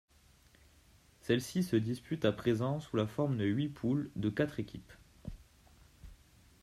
Celle-ci se dispute à présent sous la forme de huit poules de quatre équipes.